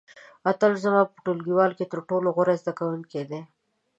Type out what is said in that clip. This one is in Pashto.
اتل زما په ټولګیوالو کې تر ټولو غوره زده کوونکی دی.